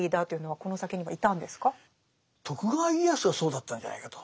はい。